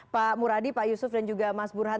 pak muradi pak yusuf dan juga mas burhan